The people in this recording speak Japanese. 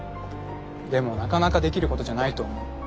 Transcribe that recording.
でもなかなかできることじゃないと思う。